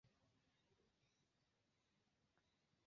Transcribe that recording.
Kvankam ofte uzata en la komerco la esprimo ne estas preciza.